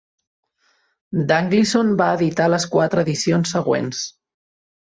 Dunglison va editar les quatre edicions següents.